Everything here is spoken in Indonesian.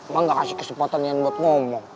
ma gak kasih kesempatan yan buat ngomong